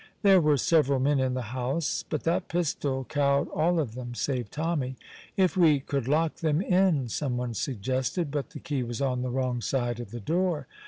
There were several men in the house, but that pistol cowed all of them save Tommy. "If we could lock them in!" someone suggested, but the key was on the wrong side of the door.